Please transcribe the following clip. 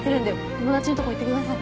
友達のとこ行ってください。